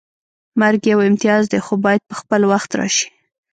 مرګ یو امتیاز دی خو باید په خپل وخت راشي